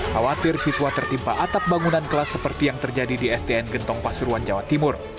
khawatir siswa tertimpa atap bangunan kelas seperti yang terjadi di sdn gentong pasuruan jawa timur